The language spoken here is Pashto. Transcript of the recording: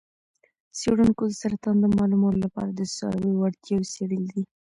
څیړونکو د سرطان د معلومولو لپاره د څارویو وړتیاوې څیړلې دي.